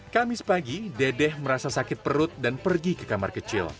kamis pagi dedeh merasa sakit perut dan pergi ke kamar kecil